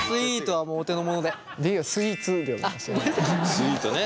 スイートね。